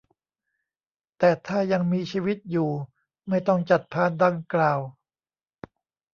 แต่ถ้ายังมีชีวิตอยู่ไม่ต้องจัดพานดังกล่าว